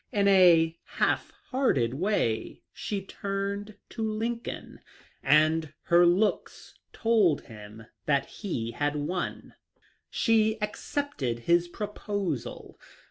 In a half hearted way she turned to Lincoln, and her looks told him that he had won. She accepted his proposal.